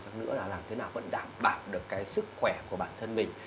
chắc nữa là làm thế nào vẫn đảm bảo được sức khỏe của bản thân mình